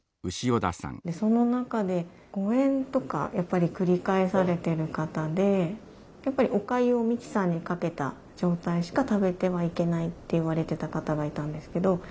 その中で誤えんとかやっぱり繰り返されてる方でやっぱりおかゆをミキサーにかけた状態しか食べてはいけないって言われてた方がいたんですけど。